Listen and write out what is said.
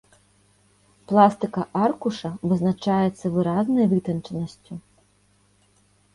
Пластыка аркуша вызначаецца выразнай вытанчанасцю.